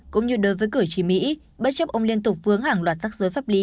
cũng như đối với cử chỉ mỹ bất chấp ông liên tục vướng hàng loạt rắc rối pháp lý